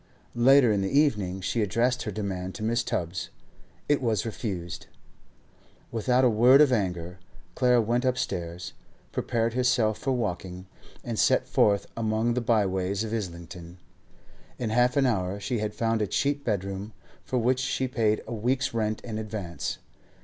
Later in the evening she addressed her demand to Mrs. Tubbs. It was refused. Without a word of anger, Clara went upstairs, prepared herself for walking, and set forth among the byways of Islington. In half an hour she had found a cheap bedroom, for which she paid a week's rent in advance.